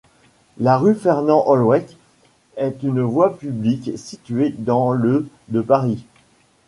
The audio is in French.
La rue Fernand-Holweck est une voie publique située dans le de Paris.